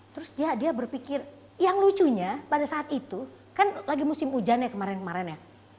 terus dia berpikir yang lucunya pada saat itu kan lagi musim hujan ya kemarin kemarin ya